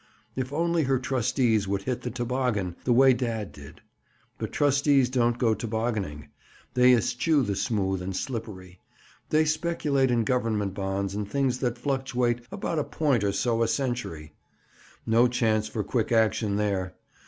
If only her trustees would hit the toboggan, the way dad did! But trustees don't go tobogganing. They eschew the smooth and slippery. They speculate in government bonds and things that fluctuate about a point or so a century. No chance for quick action there!